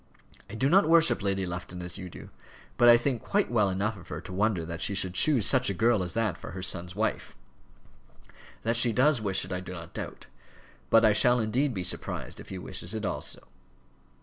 I do not worship Lady Lufton as you do; but I think quite well enough of her to wonder that she should choose such a girl as that for her son's wife. That she does wish it, I do not doubt. But I shall indeed be surprised if he wishes it also."